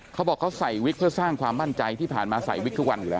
เขาบอกเขาใส่วิกเพื่อสร้างความมั่นใจที่ผ่านมาใส่วิกทุกวันอยู่แล้ว